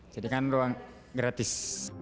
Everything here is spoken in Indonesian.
jadi kan ruang gratis